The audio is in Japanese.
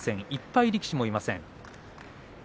１敗力士もいません。